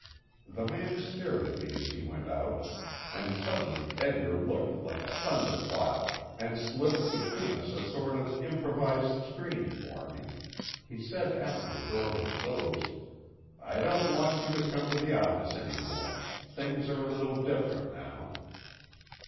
The man stared at me as he went out, and suddenly Edgar looked like a thunder cloud, and slipped between us a sort of improvised screen for me. He said after the door had closed: "I don't want you to come to the office any more things are a little different now."